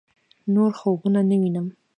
نور خوبونه نه وينم